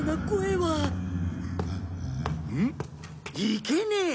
いけねえ！